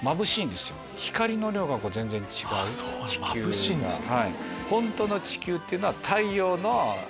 まぶしいんですね。